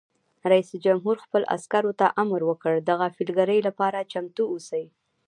رئیس جمهور خپلو عسکرو ته امر وکړ؛ د غافلګیرۍ لپاره چمتو اوسئ!